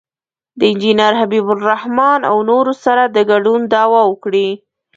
د انجینر حبیب الرحمن او نورو سره د ګډون دعوه وکړي.